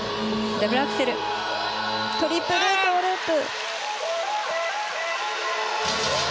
ダブルアクセルトリプルトウループ。